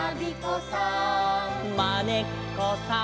「まねっこさん」